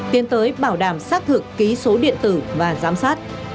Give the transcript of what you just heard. tiến tới bảo đảm xác thực ký số điện tử và giám sát